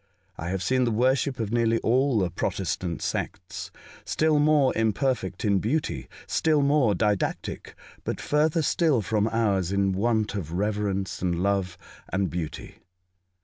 I have seen the worship of nearly all the Protestant sects — still more imperfect in beauty, still more didactic, but further still from ours in want of reverence and love, and beauty.